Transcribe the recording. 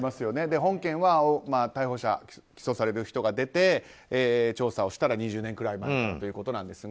本件は逮捕者起訴される人が出て調査をしたら２０年くらい前からということなんですが